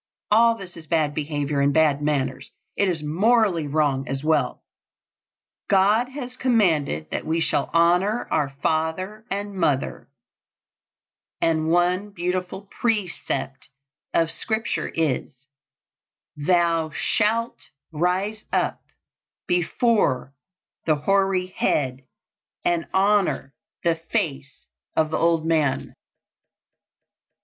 All this is bad behavior and bad manners. It is morally wrong as well. God has commanded that we shall honor our father and mother; and one beautiful precept of scripture is, "Thou shalt rise up before the hoary head and honor the face of the old man."